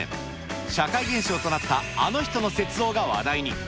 社会現象となったあの人の雪像が話題に。